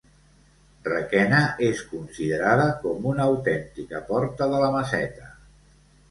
Requena és considerada com una autèntica porta de la Meseta.